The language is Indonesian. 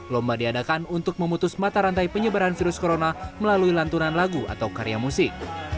lomba diadakan untuk memutus mata rantai penyebaran virus corona melalui lantunan lagu atau karya musik